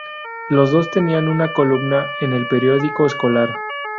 Los dos tenían una columna en el periódico escolar.